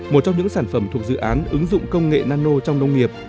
một trong những sản phẩm thuộc dự án ứng dụng công nghệ nano trong nông nghiệp